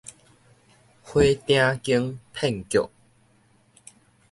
火鼎間騙局